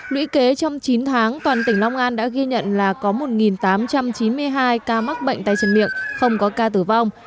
lũy kế trong chín tháng toàn tỉnh long an đã ghi nhận là có một tám trăm chín mươi hai ca mắc bệnh tay chân miệng không có ca tử vong